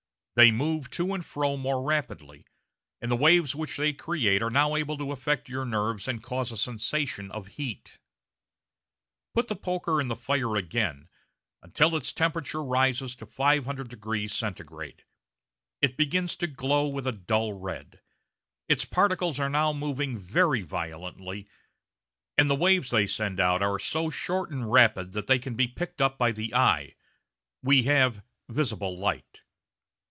They move to and fro more rapidly, and the waves which they create are now able to affect your nerves and cause a sensation of heat. Put the poker again in the fire, until its temperature rises to 500° C. It begins to glow with a dull red. Its particles are now moving very violently, and the waves they send out are so short and rapid that they can be picked up by the eye we have visible light.